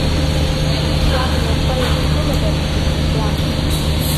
Арушьан инапқәа изнымкылакәа иҵысҵысуан.